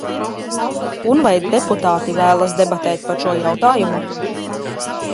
Un vai deputāti vēlas debatēt par šo jautājumu?